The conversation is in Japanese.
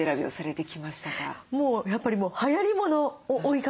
もうやっぱりはやりものを追いかける。